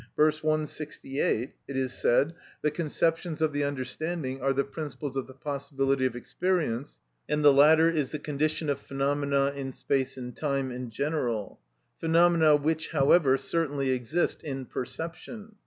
V. p. 168, it is said, the conceptions of the understanding are the principles of the possibility of experience, and the latter is the condition of phenomena in space and time in general; phenomena which, however, certainly exist in perception.